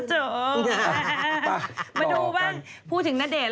มาดูบ้างพูดถึงณเดชน